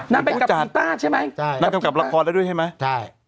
นางไปกับกีต้าใช่ไหมใช่นางกำกับละครแล้วด้วยใช่ไหมใช่